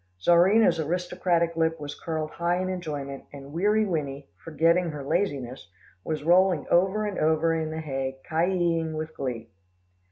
Czarina's aristocratic lip was curled high in enjoyment, and Weary Winnie, forgetting her laziness, was rolling over and over in the hay ki yiing with glee.